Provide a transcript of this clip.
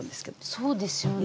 そうですよね。